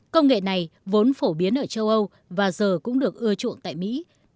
công nghệ này vốn phổ biến ở châu âu và giờ cũng được ưa chuộng tại mỹ